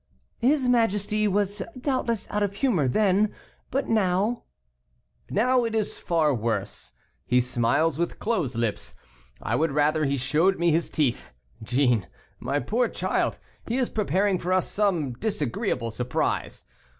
"His majesty was, doubtless, out of humor then, but now " "Now, it is far worse; he smiles with closed lips. I would rather he showed me his teeth. Jeanne, my poor child, he is preparing for us some disagreeable surprise.